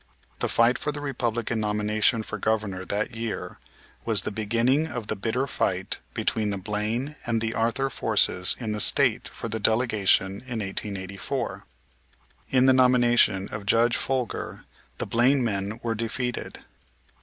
The fight for the Republican nomination for Governor that year was the beginning of the bitter fight between the Blaine and the Arthur forces in the State for the delegation in 1884. In the nomination of Judge Folger the Blaine men were defeated.